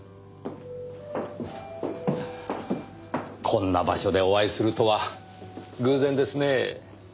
こんな場所でお会いするとは偶然ですねぇ。